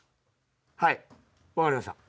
はい分かりました。